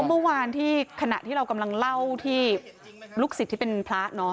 เมื่อวานที่ขณะที่เรากำลังเล่าที่ลูกศิษย์ที่เป็นพระเนอะ